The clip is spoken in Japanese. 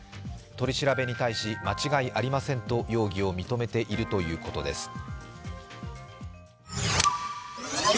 取り調べに対し、間違いありませんと容疑を認めているということです。